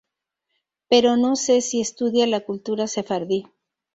Pero no si se estudia la cultura sefardí.